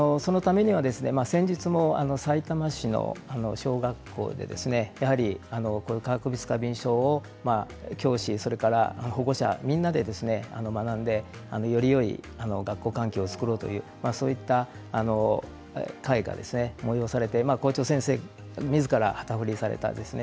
先日もさいたま市の小学校で化学物質過敏症を教師、保護者、みんなで学んでよりよい学校環境を作ろうというそういった会が催されて校長先生みずからが旗振りされてやられました。